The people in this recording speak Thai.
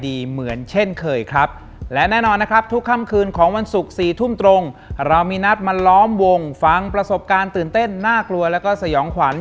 เหมือนเช่นเคยครับและแน่นอนนะครับทุกค่ำคืนของวันศุกร์๔ทุ่มตรงเรามีนัดมาล้อมวงฟังประสบการณ์ตื่นเต้นน่ากลัวแล้วก็สยองขวัญ